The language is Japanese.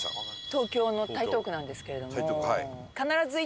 東京の台東区なんですけれども。